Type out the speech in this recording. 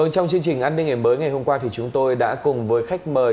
trong chương trình an ninh ấn bới ngày hôm qua thì chúng tôi đã cùng với khách mời